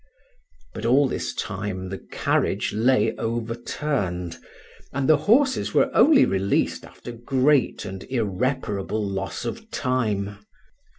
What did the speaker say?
But all this time the carriage lay overturned, and the horses were only released after great and irreparable loss of time.